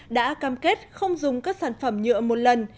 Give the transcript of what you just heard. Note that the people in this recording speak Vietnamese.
đã cam kết không dùng các sản phẩm nhựa một lần